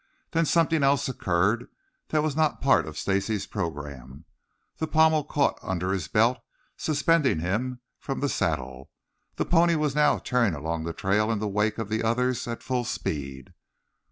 Then something else occurred that was not a part of Stacy's programme. The pommel caught under his belt, suspending him from the saddle. The pony now was tearing along the trail in the wake of the others at full speed.